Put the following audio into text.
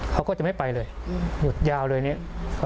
เขาก็จะไม่ไปเลยหยุดยาวเลยเนี่ย